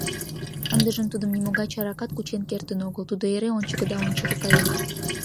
Ындыжым тудым нимогай чаракат кучен кертын огыл: тудо эре ончыко да ончыко каен.